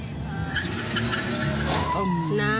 นี่เป็นคลิปวีดีโอจากคุณบอดี้บอยสว่างอร่อย